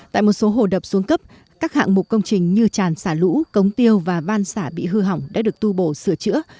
tại một số hồ đập xuống cấp các hạng mục công trình như tràn xả lũ cống tiêu và ban xả bị hư hỏng đã được tu bổ sửa chữa